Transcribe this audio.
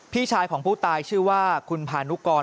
พี่ชายของผู้ตายชื่อว่าคุณพานุกร